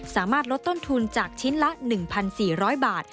สามารถลดต้นทุนจากชิ้นละ๑๔๐๐บาท